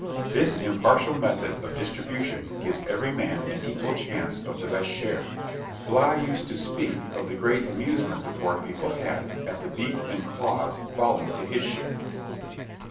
This impartial method of distribution gives every man an equal chance of the best share. Bligh used to speak of the great amusement the poor people had at the beak and claws falling to his share.